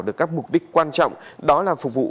được các mục đích quan trọng đó là phục vụ